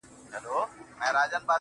اوس سپوږمۍ نسته اوس رڼا نلرم.